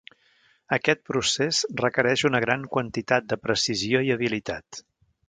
Aquest procés requereix una gran quantitat de precisió i habilitat.